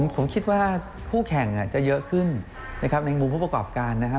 ผมคิดว่าคู่แข่งจะเยอะขึ้นนะครับในมุมผู้ประกอบการนะครับ